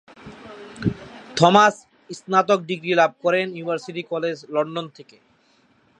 Thomas স্নাতক ডিগ্রি লাভ করেন ইউনিভার্সিটি কলেজ লন্ডন থেকে।